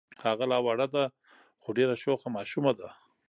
هغه لا وړه ده خو ډېره شوخه ماشومه ده.